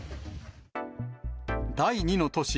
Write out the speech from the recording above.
第２の都市